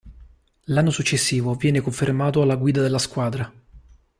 L'anno successivo viene confermato alla guida della squadra.